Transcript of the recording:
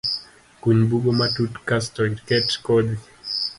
Kuny bugo matut kasto iket kodhi